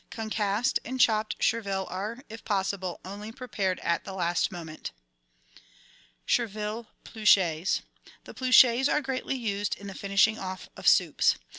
Concussed and chopped chervil are, if possible, only prepared at the last moment. Chervil Pinches. — The pluches are greatly used in the finishing off of soups.